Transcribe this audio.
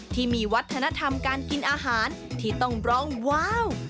ที่มีวัฒนธรรมการกินอาหารที่ต้องร้องว้าว